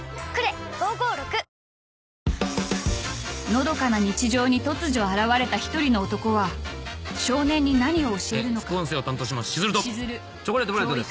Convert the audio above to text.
［のどかな日常に突如現れた１人の男は少年に何を教えるのか］